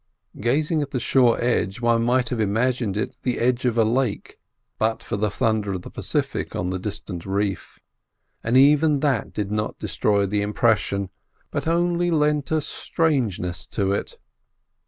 Gazing at the shore edge one might have imagined it the edge of a lake, but for the thunder of the Pacific upon the distant reef; and even that did not destroy the impression, but only lent a strangeness to it.